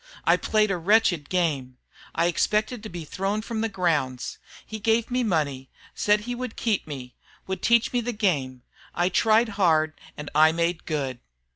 I played a wretched game. I expected to be thrown from the grounds. He gave me money, said he would keep me, would teach me the game. I tried hard and I made good."